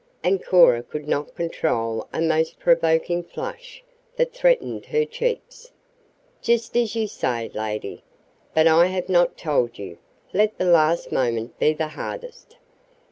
and Cora could not control a most provoking flush that threatened her cheeks. "Just as you say, lady. But I have not told you let the last moment be the hardest.